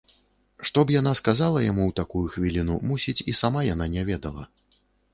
Што б яна сказала яму ў такую хвіліну, мусіць, і сама яна не ведала.